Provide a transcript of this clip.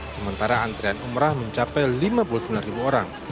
sementara antrian umrah mencapai lima puluh sembilan orang